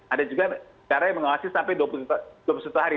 ada juga cara yang mengawasi sampai dua puluh satu hari